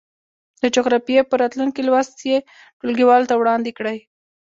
د جغرافيې په راتلونکي لوست یې ټولګیوالو ته وړاندې کړئ.